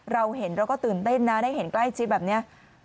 เราเห็นเราก็ตื่นเต้นนะได้เห็นใกล้ชิดแบบนี้